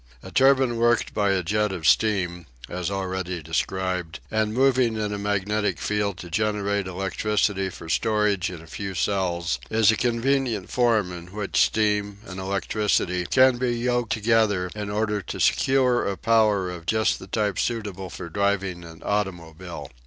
A turbine worked by a jet of steam, as already described, and moving in a magnetic field to generate electricity for storage in a few cells, is a convenient form in which steam and electricity can be yoked together in order to secure a power of just the type suitable for driving an automobile.